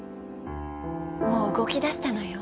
もう動き出したのよ？